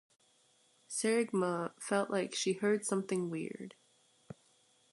Tseregmaa felt like she heard something weird.